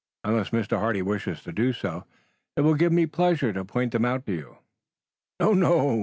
Unless Mr. Hardy wishes to do so, it will give me pleasure to point them out to you." "No, no!"